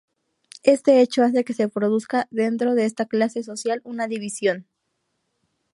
Este hecho hace que se produzca dentro de esta clase social una división.